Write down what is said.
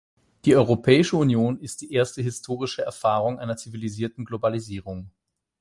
Die Europäische Union ist die erste historische Erfahrung einer zivilisierten Globalisierung.